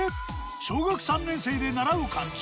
小学３年生で習う漢字。